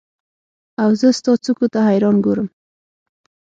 اوزه ستا څوکو ته حیران ګورم